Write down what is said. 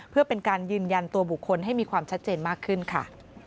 เพื่อเป็นการยืนยันตัวบุคคลให้มีความชัดเจนมากขึ้นค่ะ